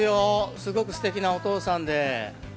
すごくステキなお父さんで。